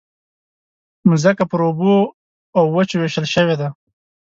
مځکه پر اوبو او وچو وېشل شوې ده.